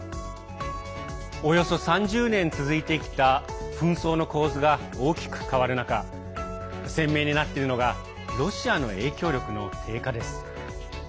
およそ３０年続いてきた紛争の構図が大きく変わる中鮮明になっているのがロシアの影響力の低下です。